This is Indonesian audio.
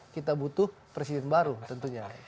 kita butuh presiden baru tentunya